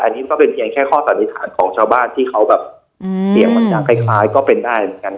อันนี้ก็เป็นเพียงแค่ข้อสัมภาษณ์ของชาวบ้านที่เขาแบบเตียงวันยากคล้ายก็เป็นได้